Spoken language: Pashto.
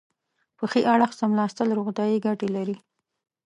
په ښي اړخ څملاستل روغتیایي ګټې لري.